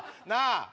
なあ？